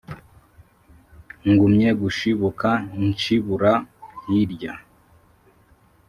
Ngumye gushibuka nshibura hirya,